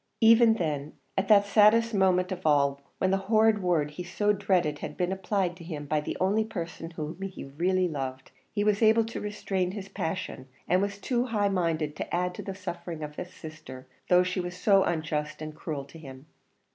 Even then, at that saddest moment of all, when the horrid word he so dreaded, had been applied to him by the only person whom he really loved, he was able to restrain his passion, and was too high minded to add to the suffering of his sister, though she was so unjust and cruel to him.